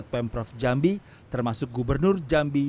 sejumlah pejabat pemprov jambi termasuk gubernur jambi